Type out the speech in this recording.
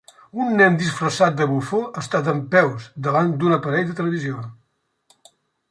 Un nen disfressat de bufó està dempeus davant d'un aparell de televisió.